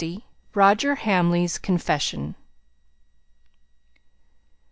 ROGER HAMLEY'S CONFESSION.